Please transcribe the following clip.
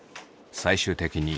最終的に